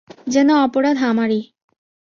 যেন অপরাধ আমারই!